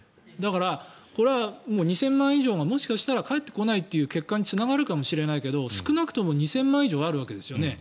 これは２０００万円以上がもしかしたら返ってこないという結果につながるかもしれないけど少なくとも２０００万円以上あるわけですよね。